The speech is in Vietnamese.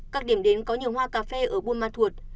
các điểm đến có nhiều hoa cà phê ở buôn ma thuột